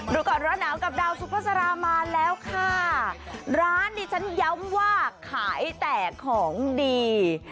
ดูก่อนร้อนหนาวกับดาวสุภาษามาแล้วค่ะร้านนี้ฉันย้ำว่าขายแต่ของดี